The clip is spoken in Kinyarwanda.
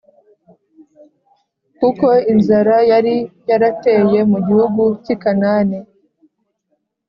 Kuko inzara yari yarateye mu gihugu cy i kanani